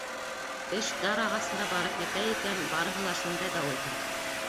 — Эш дар ағасына барып етә икән, барыһы ла шунда бәүелһен!